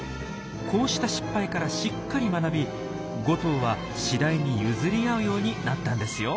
こうした失敗からしっかり学び５頭は次第に譲り合うようになったんですよ。